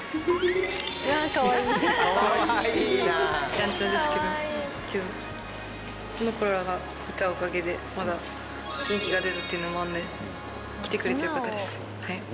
やんちゃですけど、けど、この子らがいたおかげで、まだ元気が出るっていうのもあるので、来てくれてよかったです。